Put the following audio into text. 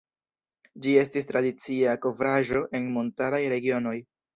Ĝi estis tradicia kovraĵo en montaraj regionoj.